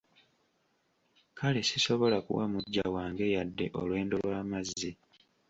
Kale sisobola kuwa muggya wange yadde olwendo lw'amazzi.